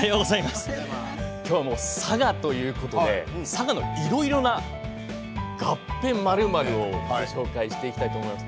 今日は佐賀ということで佐賀のいろいろながっぺ○○を紹介していきたいと思います。